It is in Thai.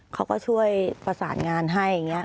เขาก็ช่วยประสานงานให้อย่างนี้